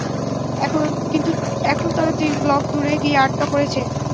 কিন্তু এখন তারা তিন ব্লক দুরে গিয়ে আটকা পড়েছে।